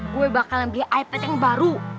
gue bakalan beli ipad yang baru